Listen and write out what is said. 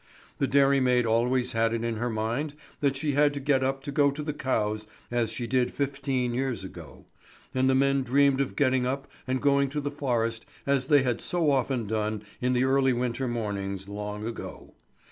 The dairymaid always had it in her mind that she had to get up to go to the cows as she did fifteen years ago; and the men dreamed of getting up and going to the forest as they had so often done in the early winter mornings long ago.